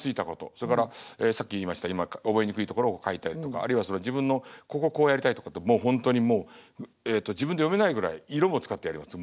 それからさっき言いました覚えにくいところを書いたりとかあるいは自分のこここうやりたいとかってもう本当にもう自分で読めないぐらい色も使ってやります。